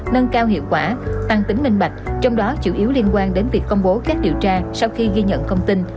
nâng cao hiệu quả tăng tính minh bạch trong đó chủ yếu liên quan đến việc công bố kết điều tra sau khi ghi nhận thông tin